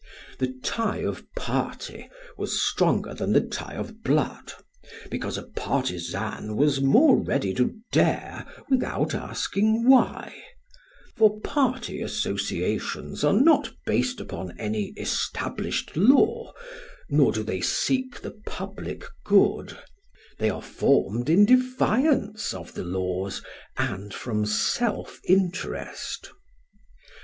The tie of party was stronger than the tie of blood, because a partisan was more ready to dare without asking why (for party associations are not based upon any established law, nor do they seek the public good; they are formed in defiance of the laws and from self interest).